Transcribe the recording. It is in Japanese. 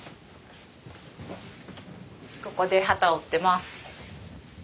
ここで機を織ってます。